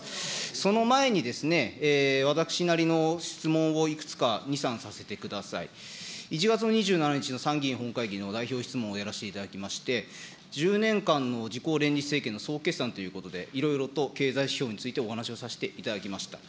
その前にですね、私なりの質問をいくつか、２、３させてください。１月の２７日の参議院本会議の代表質問をやらせていただきまして、１０年間の自公連立政権の総決算ということで、いろいろと経済指標についてお話をさせていただきました。